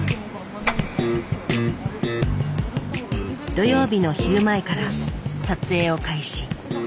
土曜日の昼前から撮影を開始。